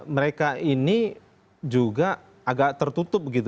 mereka ini juga agak tertutup begitu